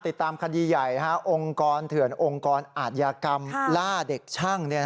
ติดตามคดีใหญ่องค์กรเถื่อนองค์กรอาทยากรรมล่าเด็กช่าง